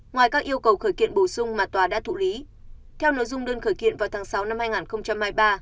ngoài các yêu cầu khởi kiện bổ sung mà tòa đã thụ lý theo nội dung đơn khởi kiện vào tháng sáu năm hai nghìn hai mươi ba